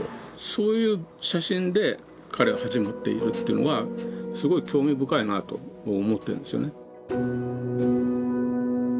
そういう写真で彼は始まっているというのはすごい興味深いなと思ってるんですよね。